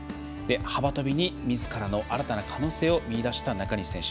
幅跳びに、みずからの新たな可能性を見いだした中西選手。